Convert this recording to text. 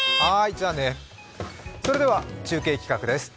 それでは中継企画です。